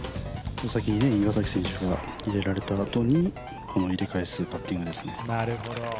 先に岩崎選手が入れられたあとに入れ返すパッティングですね。